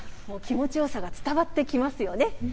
気持ちよさが伝わってきますよね。